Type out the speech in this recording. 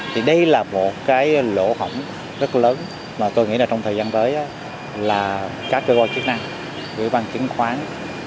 thì đây là một cái lỗ hỏng rất lớn mà tôi nghĩ là trong thời gian tới là các cơ quan chứng khoán